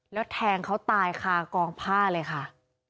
แล้วแทงเขาตายคากองผ้าเลยค่ะ